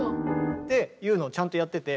っていうのをちゃんとやってて。